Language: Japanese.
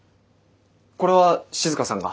これは静さんが？